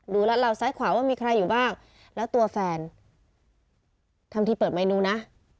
รัดเหล่าซ้ายขวาว่ามีใครอยู่บ้างแล้วตัวแฟนทำทีเปิดเมนูนะ